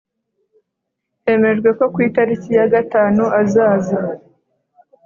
Hemejwe ko ku itariki ya gatanu azaza